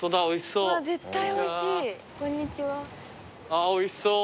あっおいしそう。